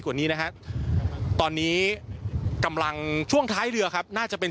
กว่านี้นะฮะตอนนี้กำลังช่วงท้ายเรือครับน่าจะเป็น